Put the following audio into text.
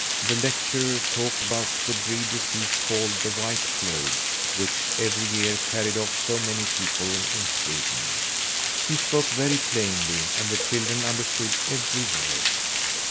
The lecturer talked about the dread disease called the White Plague, which every year carried off so many people in Sweden. He spoke very plainly and the children understood every word.